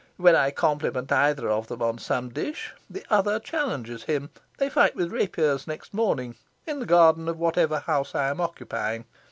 When I compliment either of them on some dish, the other challenges him. They fight with rapiers, next morning, in the garden of whatever house I am occupying.